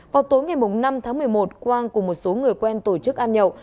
vào tối ngày năm tháng một mươi một quang cùng một số người quen tổ chức ăn nhậu